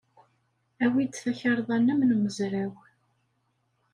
Awi-d takarḍa-nnem n umezraw.